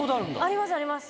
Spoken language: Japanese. ありますあります。